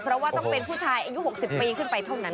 เพราะว่าต้องเป็นผู้ชายอายุ๖๐ปีขึ้นไปเท่านั้น